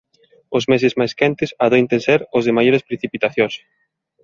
Os meses máis quentes adoitan a ser os de maiores precipitacións.